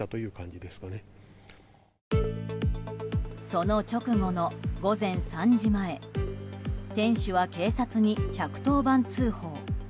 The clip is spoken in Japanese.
その直後の午前３時前店主は警察に１１０番通報。